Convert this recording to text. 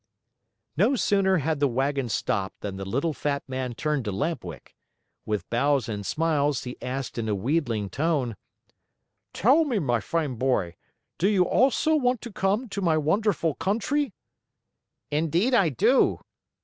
No sooner had the wagon stopped than the little fat man turned to Lamp Wick. With bows and smiles, he asked in a wheedling tone: "Tell me, my fine boy, do you also want to come to my wonderful country?" "Indeed I do."